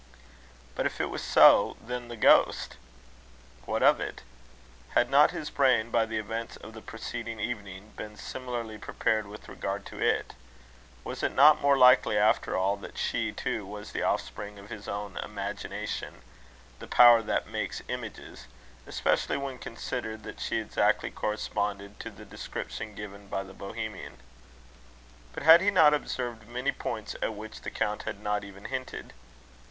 But if it was so, then the ghost? what of it? Had not his brain, by the events of the preceding evening, been similarly prepared with regard to it? Was it not more likely, after all, that she too was the offspring of his own imagination the power that makes images especially when considered, that she exactly corresponded to the description given by the Bohemian? But had he not observed many points at which the Count had not even hinted?